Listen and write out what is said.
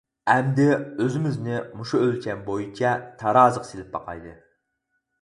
ئەمدى ئۆزىمىزنى مۇشۇ ئۆلچەم بويىچە تارازىغا سېلىپ باقايلى.